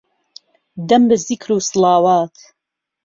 دەم به زیکر وسڵاوات